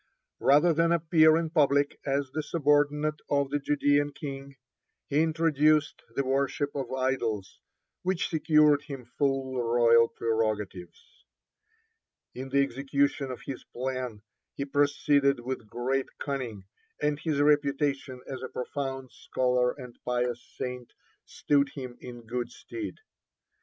Rather than appear in public as the subordinate of the Judean king, he introduced the worship of idols, which secured him full royal prerogatives. In the execution of his plan he proceeded with great cunning, and his reputation as a profound scholar and pious saint stood him in good stead.